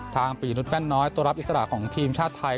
ปียนุษยแป้นน้อยตัวรับอิสระของทีมชาติไทย